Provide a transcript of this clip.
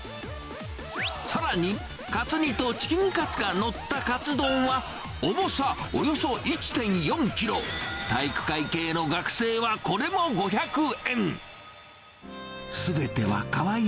さらに、カツ煮とチキンカツが載ったカツ丼は、重さおよそ１．４キロ、体育会系の学生はこれも５００円。